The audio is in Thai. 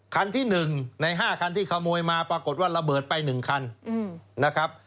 คันที่๑ใน๕คันที่ขโมยมาปรากฏว่าระเบิดไป๑คันนะครับ